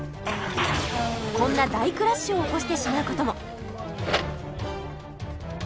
こんな大クラッシュを起こしてしまう事も